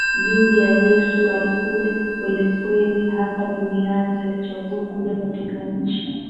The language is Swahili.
juu ya Yesu Alikuja kwelikweli hapa duniani Alichagua kuja katika nchi